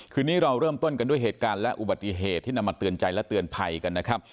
คืนนี้เราเริ่มต้นกันด้วยเหตุการณ์และอุบัติเหตุที่นำมาเตือนใจและเตือนภัยกันนะครับ